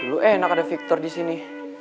lu enak ada victor di sini